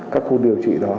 các khu điều trị đó